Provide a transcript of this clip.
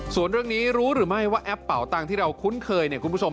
ส่วนเรื่องนี้รู้หรือไม่ว่าแอปเป่าตังค์ที่เราคุ้นเคย